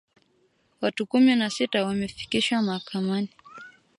Watu kumi na sita wamefikishwa mahakamani